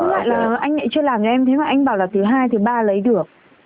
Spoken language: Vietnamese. thế tương lại là anh lại chưa làm cho em thế mà anh bảo là thứ hai thứ ba lấy được